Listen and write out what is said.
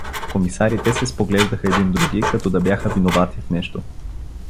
Комисарите се споглеждаха един други, като да бяха виновати в нещо.